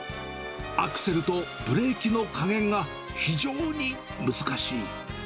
アクセルとブレーキの加減が非常に難しい。